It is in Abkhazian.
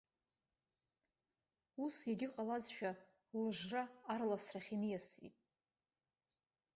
Ус иагьыҟалазшәа, лыжра арласрахь иниасит.